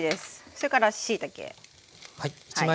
それからしいたけ。